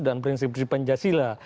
dan prinsip prinsip pancasila